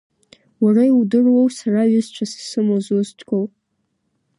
Уара иудыруоу сара ҩызцәас исымоу зусҭқәоу?